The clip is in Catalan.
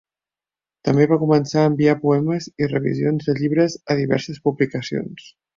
També va començar a enviar poemes i revisions de llibres a diverses publicacions.